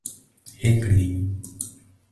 Recreio